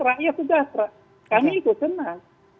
rakyat sejastra kami itu senang